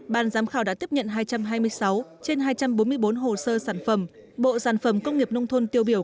ban giám khảo đã tiếp nhận hai trăm hai mươi sáu trên hai trăm bốn mươi bốn hồ sơ sản phẩm bộ sản phẩm công nghiệp nông thôn tiêu biểu